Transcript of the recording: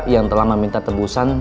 yang telah meminta tebusan